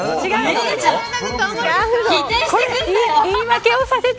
言い訳をさせて。